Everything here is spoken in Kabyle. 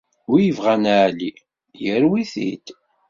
Wi ibɣan Ɛli yarew-it-id.